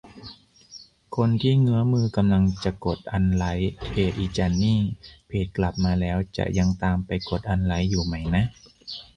คนที่เงื้อมือกำลังจะกดอันไลก์เพจอีจันนี่ เพจกลับมาแล้วจะยังตามไปกดอันไลก์อยู่ไหมนะ